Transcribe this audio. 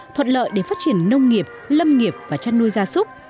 thuận lợi để phát triển nông nghiệp lâm nghiệp và chăn nuôi gia súc